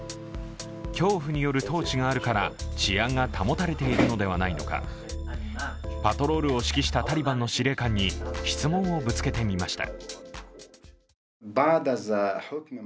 恐怖による統治があるから治安が保たれているのではないのか、パトロールを指揮したタリバンの司令官に質問をぶつけてみました。